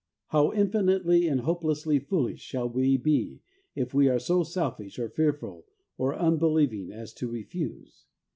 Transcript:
How infinitely and hopelessly foolish shall we be if we are so selfish or fearful or un believing as to refuse